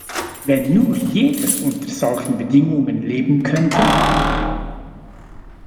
Wenn nur jeder unter solchen Bedingungen leben könnte.